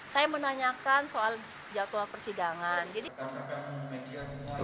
saya menanyakan soal jadwal persidangan